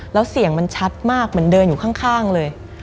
แล้วเสียงมันชัดมากเหมือนเดินอยู่ข้างเลย